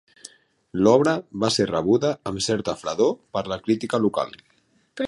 L'obra va ser rebuda amb certa fredor per la crítica local.